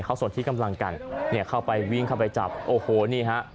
เขาส่วนที่กำลังกันเนี่ยเข้าไปวิ่งเข้าไปจับโอ้โหนี่ฮะ